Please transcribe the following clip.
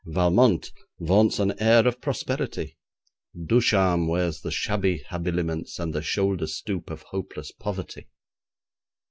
Valmont vaunts an air of prosperity; Ducharme wears the shabby habiliments and the shoulder stoop of hopeless poverty.